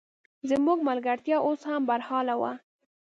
زموږ ملګرتیا اوس هم برحاله وه.